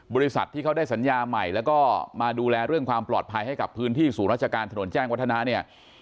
บริษัทที่เขาได้สัญญาใหม่แล้วก็มาดูแลเรื่องความปลอดภัยให้กับพื้นที่ศูนย์ราชการถนนแจ้งวัฒนะเนี่ย